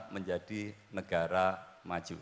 menjadi negara maju